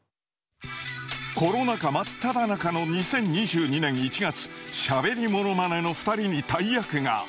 コロナ禍真っただ中の２０２２年１月しゃべりモノマネの２人に大役が。